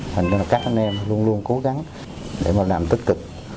thành ra các anh em luôn luôn cố gắng để mà làm tích cực